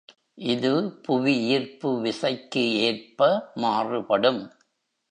இது புவி ஈர்ப்பு விசைக்கு ஏற்ப மாறுபடும்.